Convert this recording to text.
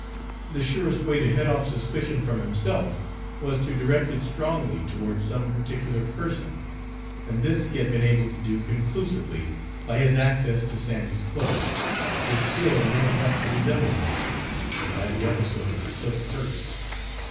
The surest way to head off suspicion from himself was to direct it strongly toward some particular person, and this he had been able to do conclusively by his access to Sandy's clothes, his skill in making up to resemble him, and by the episode of the silk purse.